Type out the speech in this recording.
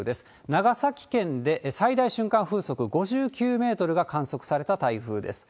長崎県で最大瞬間風速５９メートルが観測された台風です。